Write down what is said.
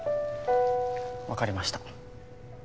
わかりました。